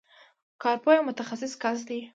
کارپوه یو متخصص کس دی.